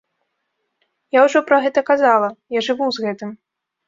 Я ўжо пра гэта казала, я жыву з гэтым.